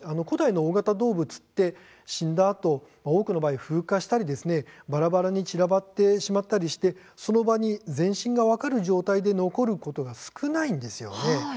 古代の大型動物って死んだあと多くの場合、風化したりばらばらに散らばってしまったりしてその場に全身が分かる状態で残ることが少ないんですよね。